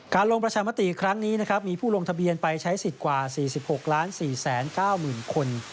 ลงประชามติครั้งนี้นะครับมีผู้ลงทะเบียนไปใช้สิทธิ์กว่า๔๖๔๙๐๐๐คน